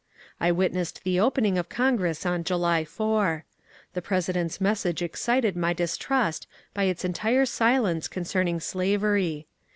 I witnessed the opening of Congress on July 4. The President's message excited my distrust by its entire silence concerning slavery.